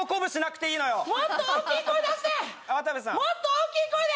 もっと大きい声で！